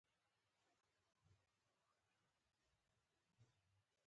چې يو څو ځله دا عمل تکرار شي